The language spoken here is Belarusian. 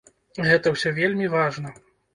Гэта ўсё вельмі важна.